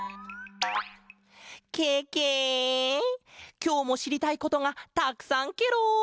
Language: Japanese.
きょうもしりたいことがたくさんケロ！